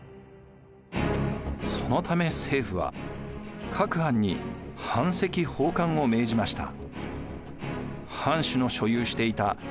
そのため政府は各藩に版籍奉還を命じました。